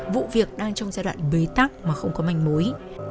vụ việc đang trong giai đoạn bế tắc mà không có manh mối